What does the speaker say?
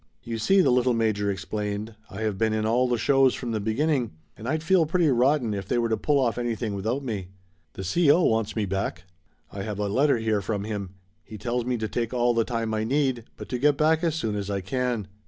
"You see," the little major explained, "I have been in all the shows from the beginning and I'd feel pretty rotten if they were to pull anything off without me. The C.O. wants me back. I have a letter here from him. He tells me to take all the time I need, but to get back as soon as I can.